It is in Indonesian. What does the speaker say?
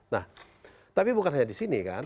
nah tapi bukan hanya di sini kan